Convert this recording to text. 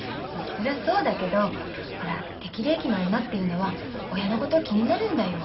そりゃそうだけどほら適齢期の女っていうのは親のこと気になるんだよ。